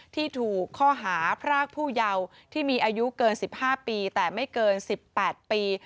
ที่ถูกข้อหาพรากผู้เยาว์ที่มีอายุเกิน๑๕ปีแต่ไม่เกิน๑๘ปี